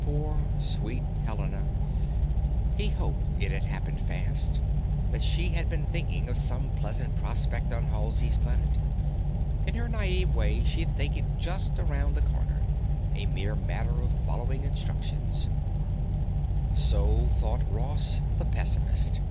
Poor sweet Helena! He hoped it had happened fast, that she had been thinking of some pleasant prospect on Halsey's Planet. In her naïve way she'd think it just around the corner, a mere matter of following instructions.... So thought Ross, the pessimist.